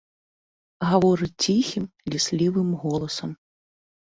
Гаворыць ціхім, ліслівым голасам.